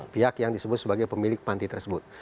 pihak yang disebut sebagai pemilik panti tersebut